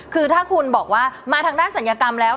คือถ้าคุณบอกว่ามาทางด้านศัลยกรรมแล้ว